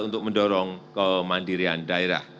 untuk mendorong kemandirian daerah